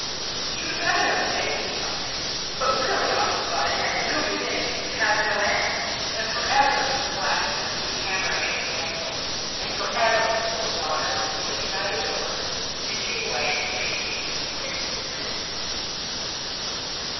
She was evidently making something, but Willie often thought it had had no beginning and would have no end, that for ever the blacksmith would be hammering at his anvil, and for ever his little daughter would be sitting by the door, stitching away at the same piece of coarse blue linen.